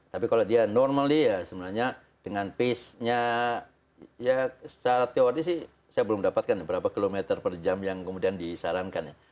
tapi kalau dia normaly ya sebenarnya dengan pace nya ya secara teori sih saya belum dapatkan berapa kilometer per jam yang kemudian disarankan ya